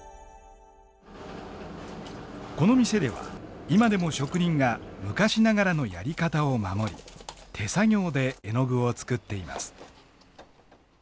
この店では今でも職人が昔ながらのやり方を守り手作業で絵の具を作っています。